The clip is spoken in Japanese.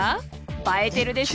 映えてるでしょ？